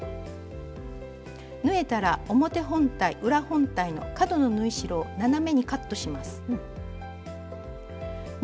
縫えたら表本体裏本体の角の縫い代を斜めにカットします。